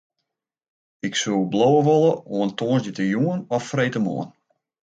Ik soe bliuwe wolle oant tongersdeitejûn of freedtemoarn.